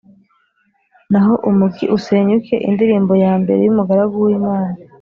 naho umugi usenyuke. Indirimbo ya mbere y’Umugaragu w’Imana